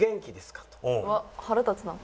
うわっ腹立つなんか。